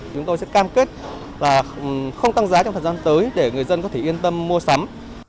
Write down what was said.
chúng tôi sẽ cam kết là không tăng giá trong thời gian tới để người dân có thể yên tâm mua sắm